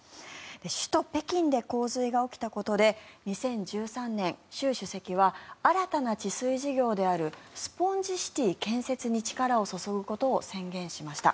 首都・北京で洪水が起きたことで２０１３年習主席は新たな治水事業であるスポンジシティ建設に力を注ぐことを宣言しました。